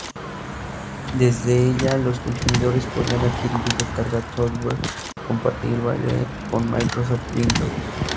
Desde ella los consumidores podían adquirir y descargar software compatible con Microsoft Windows.